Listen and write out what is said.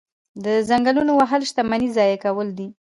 د ځنګلونو وهل شتمني ضایع کول دي.